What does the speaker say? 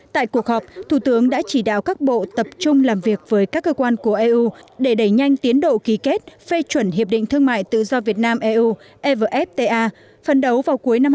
tại cuộc họp thủ tướng đã chỉ đạo các bộ tập trung làm việc với các cơ quan của eu để đẩy nhanh tiến độ ký kết phê chuẩn hiệp định thương mại tự do việt nam eu evfta phân đấu vào cuối năm hai nghìn hai mươi